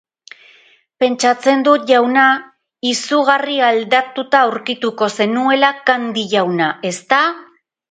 Pentsatzen dut, jauna, izugarri aldatuta aurkituko zenuela Candy jauna, ezta?